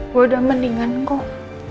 gue udah mendingan kok